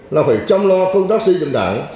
là phải chăm lo công tác xây dựng đảng